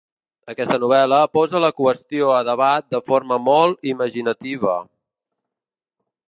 Aquesta novel·la posa la qüestió a debat de forma molt imaginativa.